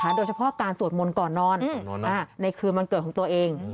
โดยเฉพาะการสวดมนต์ก่อนนอนในคืนวันเกิดของตัวเอง